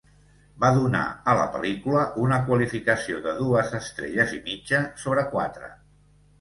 Va donar a la pel·lícula una qualificació de dues estrelles i mitja sobre quatre.